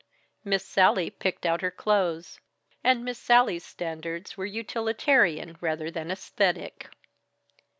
Miss Sallie picked out her clothes, and Miss Sallie's standards were utilitarian rather than æsthetic.